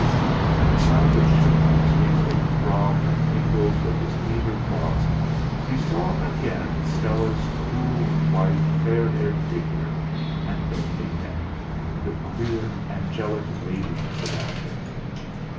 And the sound of Schumann's music throbbed and mingled with his fevered thoughts, and he saw again Stella's cool, white, fair haired figure and bending neck, the queer, angelic radiance about her.